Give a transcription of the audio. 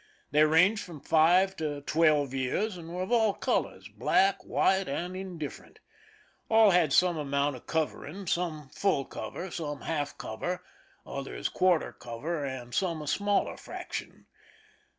They ranged from five to twelve years, and were of all colors, black, white, and indifferent. All had some amount of covering, some fuU cover, some half cover, others quarter cover, and some a smaller fraction.